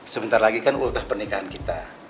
sebentar lagi kan ultah pernikahan kita